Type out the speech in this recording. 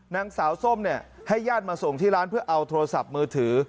นางสาวส้มเนี่ยให้ญาติมาส่งที่ร้านเพื่อเอาโทรศัพท์มือถือ